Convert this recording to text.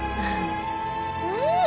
うん！